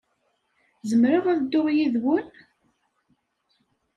Zemreɣ ad dduɣ yid-wen?